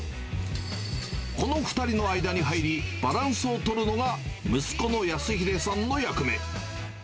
この２人の間に入り、バランスを取るのが、息子の康秀さんの役目。